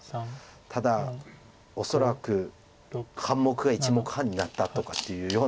ただ恐らく半目が１目半になったとかっていうようなレベルだと。